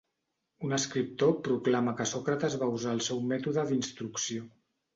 Un escriptor proclama que Sòcrates va usar el seu mètode d'instrucció.